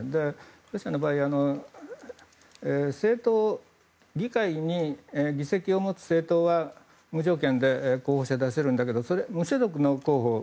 ロシアの場合、議会に議席を持つ政党は、無条件で候補者出せるんだけども無所属の候補